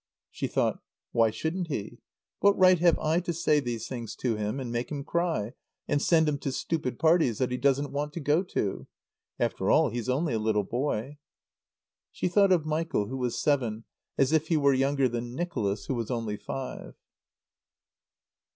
She thought: "Why shouldn't he? What right have I to say these things to him and make him cry, and send him to stupid parties that he doesn't want to go to? After all, he's only a little boy." She thought of Michael, who was seven, as if he were younger than Nicholas, who was only five.